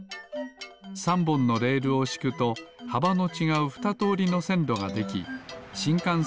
３ぼんのレールをしくとはばのちがうふたとおりのせんろができしんかん